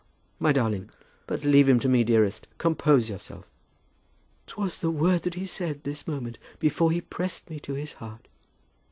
"My darling! But leave him to me, dearest. Compose yourself." "'Twas the word that he said this moment; before he pressed me to his heart."